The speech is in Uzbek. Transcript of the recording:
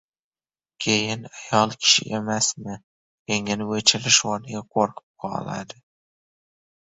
Keyin... ayol kishi emasmi, yengini o‘chirish o‘rniga, qo‘rqib qoladi.